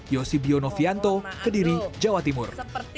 yosibio novianto kediri jawa timur